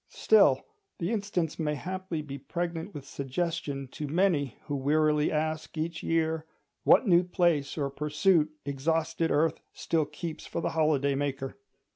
Still, the instance may haply be pregnant with suggestion to many who wearily ask each year, what new place or pursuit exhausted earth still keeps for the holiday maker.